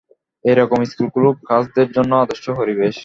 এরকম স্কুলগুলো কার্সদের জন্য আদর্শ পরিবেশ।